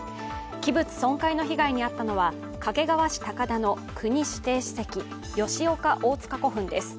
器物損壊の被害に遭ったのは、掛川市高田の国指定史跡吉岡大塚古墳です。